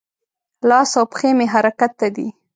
لاس او پښې مې حرکت ته دي.